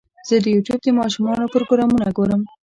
زه د یوټیوب د ماشومانو پروګرامونه ګورم.